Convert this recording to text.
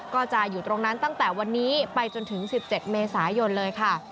ก็จะอยู่ตรงนั้นตั้งแต่วันนี้ไปจนถึง๑๗เมษายนเลยค่ะ